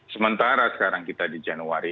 sementara sekarang kita di januari